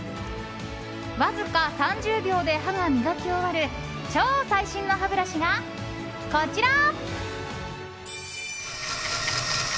わずか３０秒で歯が磨き終わる超最新の歯ブラシが、こちら！